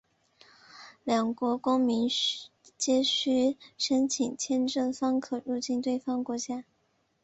两国公民皆须申请签证方可入境对方国家。